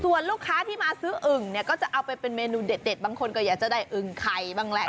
ส่วนลูกค้าที่มาซื้ออึ่งเนี่ยก็จะเอาไปเป็นเมนูเด็ดบางคนก็อยากจะได้อึ่งไข่บ้างแหละ